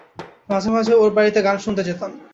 মাঝে-মাঝে ওর বাড়িতে গান শুনতে যেতাম।